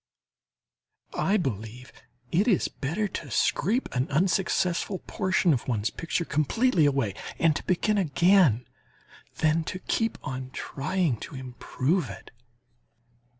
I believe it is better to scrape an unsuccessful portion of one's picture completely away and to begin again, than to keep on trying to improve it.